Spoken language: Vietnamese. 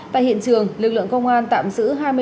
tại hiện trường lực lượng công an tạm giữ